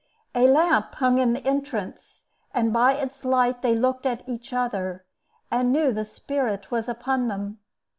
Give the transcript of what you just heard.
A lamp hung in the entrance, and by its light they looked at each other, and knew the Spirit was upon them.